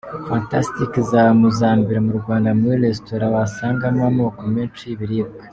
Fantastic iza mu za mbere mu Rwanda muri Resitora wasangamo amoko menshi y’ibiribwa.